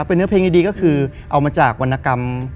เป็นเนื้อเพลงดีก็คือเอามาจากวรรณกรรม